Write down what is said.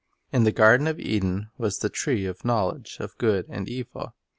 In the garden of Eden was the "tree of knowl edge of good and evil.